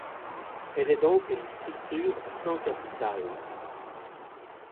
Elle est donc une structure sans capital.